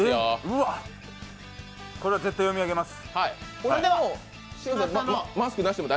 うわっ、これは絶対読み上げます。